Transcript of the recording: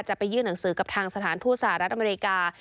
ไปยื่นหนังสือกับทางสถานทูตสหรัฐอเมริกา